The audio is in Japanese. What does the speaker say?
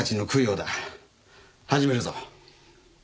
始めるぞ。